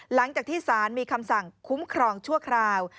หลังจากที่สารมีคำสั่งคุ้มครองชั่วคราว